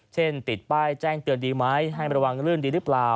ติดป้ายแจ้งเตือนดีไหมให้ระวังลื่นดีหรือเปล่า